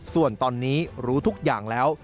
ส่วนตอนนี้รู้ทุกอย่างแล้ว